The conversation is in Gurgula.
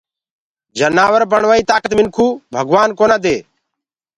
جنآور بڻوآئي تآڪَت منکو ڀگوآن ڪونآ دي